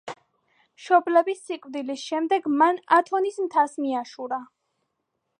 მშობლების სიკვდილის შემდეგ მან ათონის მთას მიაშურა.